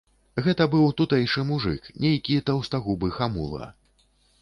Гэта быў тутэйшы мужык, нейкі таўстагубы хамула.